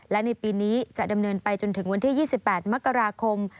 และในปีนี้จะดำเนินไปจนถึงวันที่๒๘มกราคม